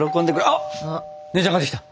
あっ姉ちゃん帰ってきた！